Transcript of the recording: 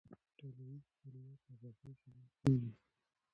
ډلهییز فعالیت د خوښۍ سبب کېږي.